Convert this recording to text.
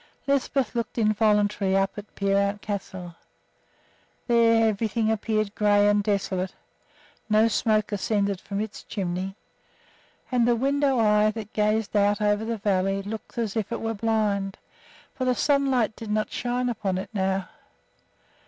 Lisbeth looked involuntarily up at Peerout Castle. There everything appeared gray and desolate. No smoke ascended from its chimney; and the window eye that gazed out over the valley looked as if it was blind, for the sunlight did not shine upon it now.